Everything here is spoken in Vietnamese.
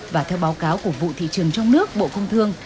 và theo báo cáo của vụ thị trường trong nước bộ công thương